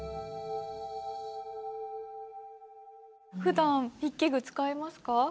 ふだん筆記具使いますか？